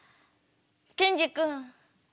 ケンジ君。